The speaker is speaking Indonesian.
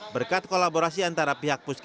berkat kolaborasi antara pemerintah dan pemerintah